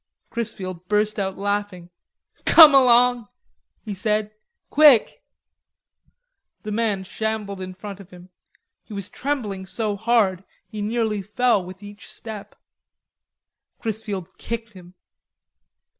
Chrisfield burst out laughing. "Come along," he said, "quick!" The man shambled in front of him; he was trembling so hard he nearly fell with each step. Chrisfield kicked him.